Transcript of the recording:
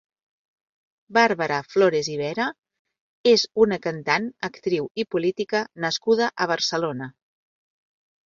Bàrbara Flores i Vera és una cantant, actriu i política nascuda a Barcelona.